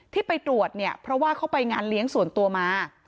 ที่ไปตรวจเนี่ยเพราะว่าเขาไปงานเลี้ยงส่วนตัวมา